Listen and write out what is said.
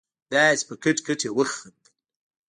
داسې په کټ کټ يې وخندل.